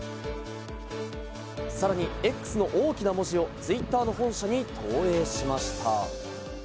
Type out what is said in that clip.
さらにＸの大きな文字をＴｗｉｔｔｅｒ本社に投影しました。